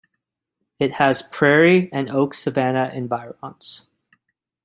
It has prairie and oak savanna environs.